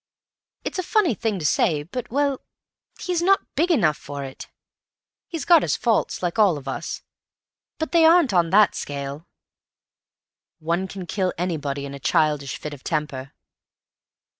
It's a funny thing to say, but—well, he's not big enough for it. He's got his faults, like all of us, but they aren't on that scale." "One can kill anybody in a childish fit of temper."